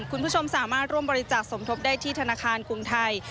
คุณผู้ชมสามารถร่วมบริจาคสมทบได้ที่ธนาคารกรุงไทย